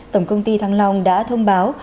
tổng công ty thăng long đã thông báo